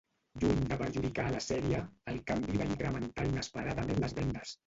Lluny de perjudicar a la sèrie, el canvi va incrementar inesperadament les vendes.